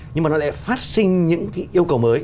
nhưng mà nó lại phát sinh những cái yêu cầu mới